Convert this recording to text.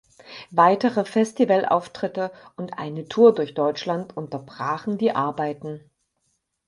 Weitere Festivalauftritte und eine Tour durch Deutschland unterbrachen die Arbeiten.